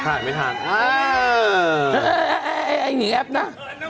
ไอ้หญิงแอ๊บนะ